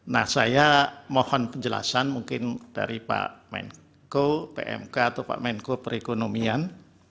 nah saya mohon penjelasan mungkin dari pak menko pmk atau pak menko perekonomian